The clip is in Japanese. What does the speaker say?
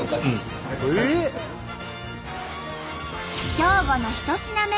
兵庫の１品目